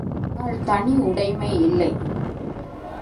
ஆனால் தனி உடைமை இல்லை.